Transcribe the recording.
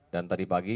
dan tadi pagi